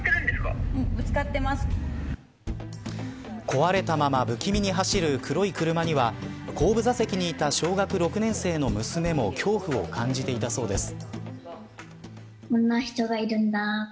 壊れたまま不気味に走る黒い車には後部座席にいた小学６年生の娘も恐怖を感じていたそうです。